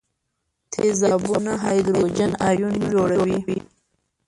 تیزابونه هایدروجن ایون جوړوي.